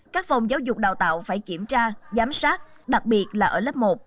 các phòng giáo dục đào tạo phải kiểm tra giám sát đặc biệt là ở lớp một